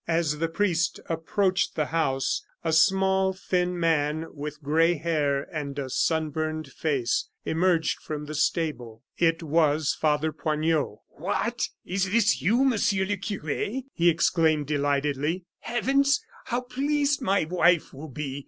As the priest approached the house, a small, thin man, with gray hair and a sunburned face emerged from the stable. It was Father Poignot. "What! is this you, Monsieur le Cure!" he exclaimed, delightedly. "Heavens! how pleased my wife will be.